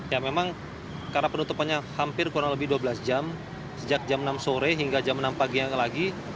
ya memang karena penutupannya hampir kurang lebih dua belas jam sejak jam enam sore hingga jam enam pagi lagi